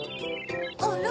あら？